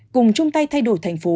cùng chung tay thay đổi thành phố